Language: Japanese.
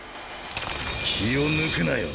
気を抜くなよ。